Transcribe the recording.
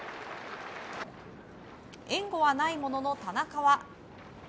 援護はないものの、田中は。